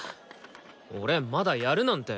俺まだやるなんて。